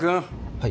はい。